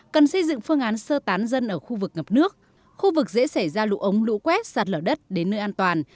cần xây dựng phương án sơ tán dân ở khu vực ngập nước khu vực dễ xảy ra lũ ống lũ quét sạt lở đất đến nơi an toàn